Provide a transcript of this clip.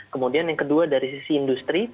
kemudian yang kedua dari sisi industri